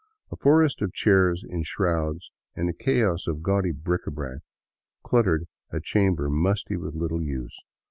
A forest of chairs in shrouds and a chaos of gaudy bric a brac cluttered a chamber musty with little use.